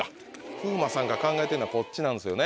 風磨さんが考えてんのはこっちなんですよね。